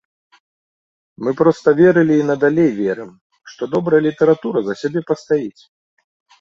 Мы проста верылі і надалей верым, што добрая літаратура за сябе пастаіць.